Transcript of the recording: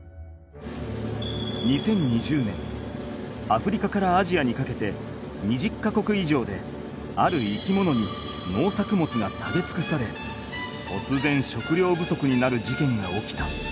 ２０２０年アフリカからアジアにかけて２０か国いじょうである生き物に農作物が食べつくされとつぜん食料不足になるじけんが起きた。